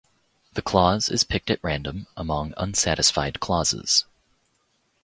The clause is picked at random among unsatisfied clauses.